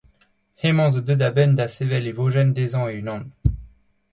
Hemañ zo deuet a-benn da sevel e vojenn dezhañ e unan.